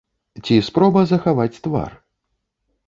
Ці спроба захаваць твар?